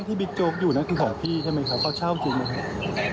ใบที่บิ๊กโจ๊กอยู่แล้วก็ขอยพี่ใช่ไหมครับเขาเช่าจริงใช่ไหมก็ไหล